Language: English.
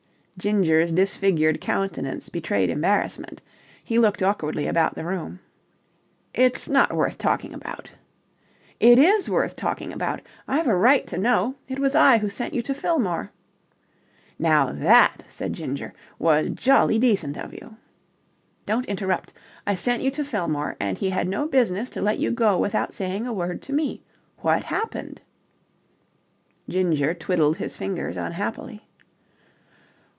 Ginger's disfigured countenance betrayed embarrassment. He looked awkwardly about the room. "It's not worth talking about." "It is worth talking about. I've a right to know. It was I who sent you to Fillmore..." "Now that," said Ginger, "was jolly decent of you." "Don't interrupt! I sent you to Fillmore, and he had no business to let you go without saying a word to me. What happened?" Ginger twiddled his fingers unhappily.